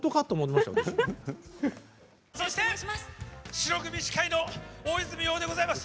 白組司会の大泉洋でございます。